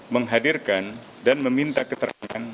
menghadirkan dan meminta keterangan